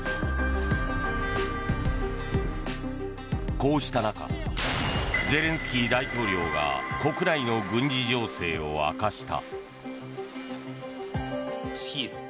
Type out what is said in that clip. こうした中ゼレンスキー大統領が国内の軍事情勢を明かした。